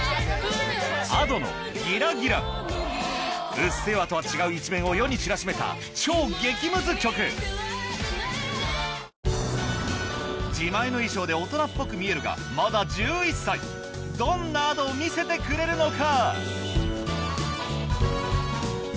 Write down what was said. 『うっせぇわ』とは違う一面を世に知らしめた超激ムズ曲自前の衣装で大人っぽく見えるがまだ１１歳どんな Ａｄｏ を見せてくれるのか